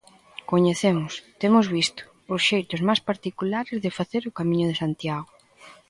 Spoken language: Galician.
Coñecemos, temos visto, os xeitos máis particulares de facer o Camiño de Santiago.